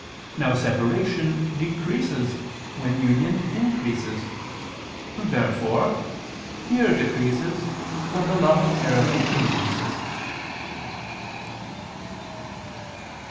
Now separation decreases when union increases. Therefore fear decreases when the love of charity increases.